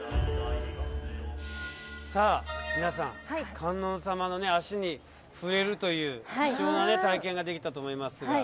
観音様の足に触れるという貴重な体験ができたと思いますが。